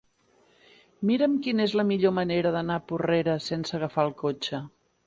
Mira'm quina és la millor manera d'anar a Porrera sense agafar el cotxe.